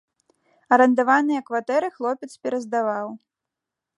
Арандаваныя кватэры хлопец пераздаваў.